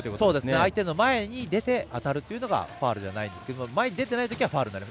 相手の前に出て当たるというのはファウルではないですが前に出ていないときはファウルなります。